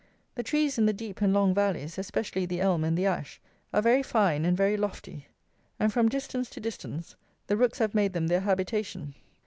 The trees in the deep and long valleys, especially the Elm and the Ash, are very fine and very lofty; and from distance to distance, the Rooks have made them their habitation.